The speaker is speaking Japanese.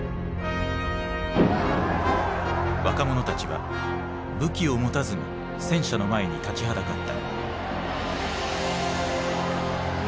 若者たちは武器を持たずに戦車の前に立ちはだかった。